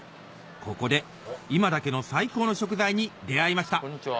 ここで今だけの最高の食材に出合いましたこんにちは。